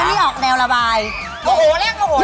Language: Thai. แล้วอันนี้ออกแนวระบายโอ้โหแรกโอ้โห